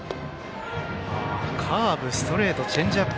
カーブ、ストレートチェンジアップ。